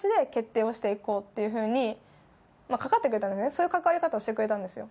そういう関わり方をしてくれたんですよ。